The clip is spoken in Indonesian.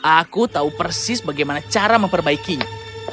aku tahu persis bagaimana cara memperbaikinya